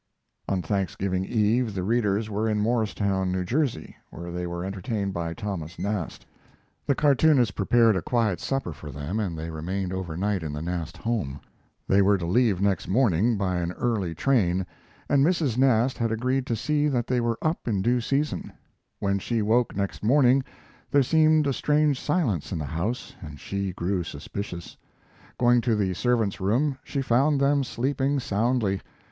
On Thanksgiving Eve the readers were in Morristown, New Jersey, where they were entertained by Thomas Nast. The cartoonist prepared a quiet supper for them and they remained overnight in the Nast home. They were to leave next morning by an early train, and Mrs. Nast had agreed to see that they were up in due season. When she woke next morning there seemed a strange silence in the house and she grew suspicious. Going to the servants' room, she found them sleeping soundly.